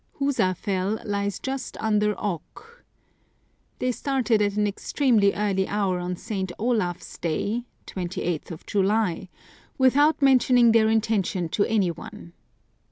Hiisafell lies just under Ok. They started at an extremely early I hour on St. Otaf's Day (2Sth July), without men tioning their intention to any one.